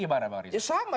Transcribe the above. bisa ada misalnya